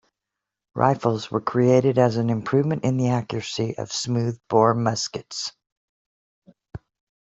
Rifles were created as an improvement in the accuracy of smooth bore muskets.